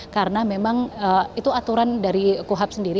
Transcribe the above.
karena memang itu aturan dari kuhap sendiri